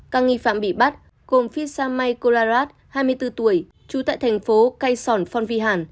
các nghi phạm bị bắt gồm phitsa mai kolarat hai mươi bốn tuổi trú tại thành phố kay son phong vy hàn